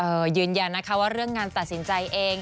ยืนยันนะคะว่าเรื่องงานตัดสินใจเอง